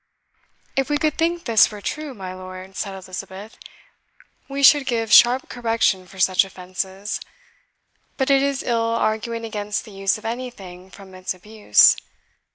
"If we could think this were true, my lord," said Elizabeth, "we should give sharp correction for such offences. But it is ill arguing against the use of anything from its abuse.